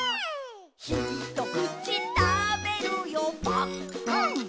「ひとくちたべるよぱっくん」っくん！